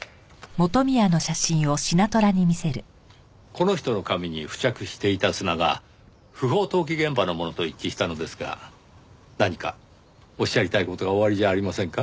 この人の髪に付着していた砂が不法投棄現場のものと一致したのですが何かおっしゃりたい事がおありじゃありませんか？